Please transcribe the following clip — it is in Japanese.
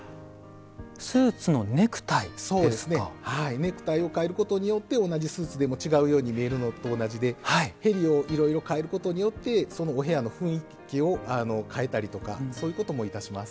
ネクタイを替えることによって同じスーツでも違うように見えるのと同じで縁をいろいろ替えることによってそのお部屋の雰囲気を変えたりとかそういうこともいたします。